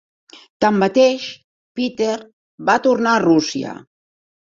Tanmateix, Peter va tornar a Rússia.